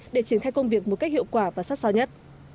để triển khai công việc một cách hiệu quả và sát sao nhất